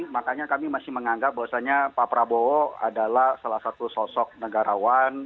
makanya kami masih menganggap bahwasannya pak prabowo adalah salah satu sosok negarawan